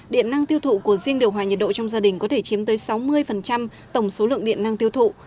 điện năng tiêu thụ của riêng điều hòa nhiệt độ trong gia đình có thể chiếm tới sáu mươi tổng số lượng điện năng tiêu thụ